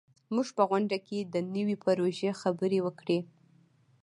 موږ په غونډه کې د نوي پروژې خبرې وکړې.